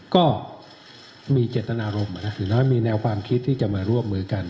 ก็มีเจตนาลมนะถือว่ามีแนวความคิดที่จะมาร่วมมือกัน